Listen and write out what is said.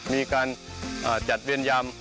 มีการจัดเวียนยาม